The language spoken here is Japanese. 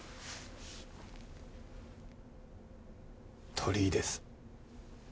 鳥居です。